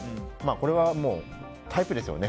これはタイプですよね